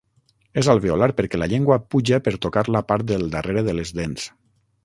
És alveolar perquè la llengua puja per tocar la part del darrere de les dents.